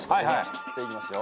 じゃあいきますよ。